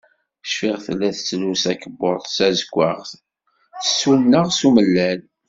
Cfiɣ, tella tettlus-d takebbuḍt d tazeggaɣt, tsuneɣ s umellal.